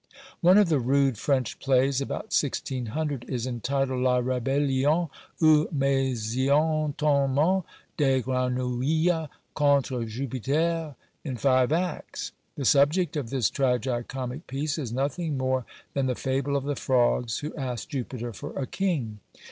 One of the rude French plays, about 1600, is entitled "La Rebellion, ou meseontentment des Grenouilles contre Jupiter," in five acts. The subject of this tragi comic piece is nothing more than the fable of the frogs who asked Jupiter for a king.